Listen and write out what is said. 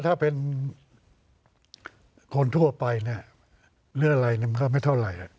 ถ้าเป็นคนทั่วไปเลือกอะไรก็ไม่เท่าไหร่